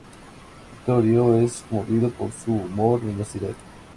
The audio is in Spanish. Vittorio es conmovido por su humor y honestidad.